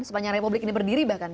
sepanjang republik ini berdiri bahkan